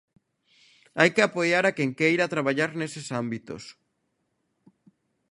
Hai que apoiar a quen queira traballar neses ámbitos.